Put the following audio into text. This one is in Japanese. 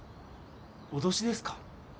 脅しですか？